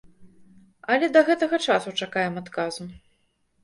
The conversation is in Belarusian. Але да гэтага часу чакаем адказу.